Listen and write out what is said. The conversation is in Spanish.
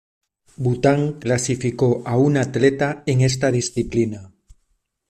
Bután clasificó a una atleta en esta disciplina.